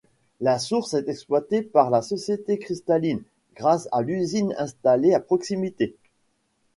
La source est exploitée par la société Cristaline, grâce à l'usine installée à proximité.